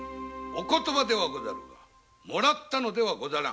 お言葉ではござるがもらったのではござらん。